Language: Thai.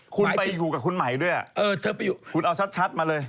คุณไปอยู่กับคุณใหม่ด้วยคุณเอาชัดมาเลย